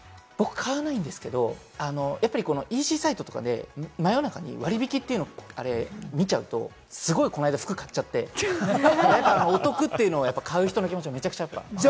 買わないんですけれども、ＥＣサイトとかで真夜中に割引というのを見ちゃうと、すごい、この間、服買っちゃって、お得というのを買う人の気持ちはめちゃくちゃ分かります。